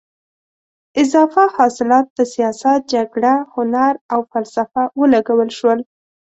اضافه حاصلات په سیاست، جګړه، هنر او فلسفه ولګول شول.